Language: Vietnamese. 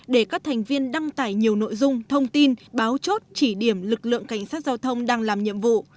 để các thành viên đăng tải nhiều nội dung thông tin báo chốt chỉ điểm lực lượng cảnh sát giao thông đang làm nhiệm vụ